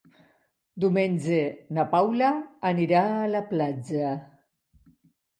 Diumenge na Paula anirà a la platja.